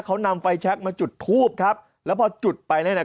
เขานำไฟแชคมาจุดทูบครับแล้วพอจุดไปแล้วน่ะ